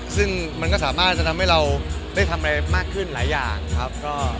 ซึ่งมันก็สามารถจะทำให้เราได้ทำอะไรมากขึ้นหลายอย่างครับ